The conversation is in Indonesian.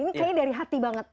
ini kayaknya dari hati banget